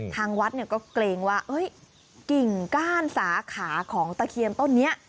ทางวัดเนี่ยก็เกรงว่ากิ่งก้านสาขาของตะเคียนต้นนี้